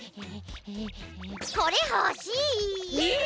これほしい！ええ！？